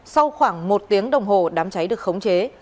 sau khoảng một tiếng đồng hồ đám cháy được khống chế